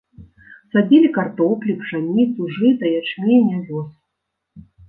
Садзілі картоплі, пшаніцу, жыта, ячмень, авёс.